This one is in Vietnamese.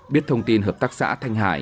biết thông tin hợp tác xã thanh hải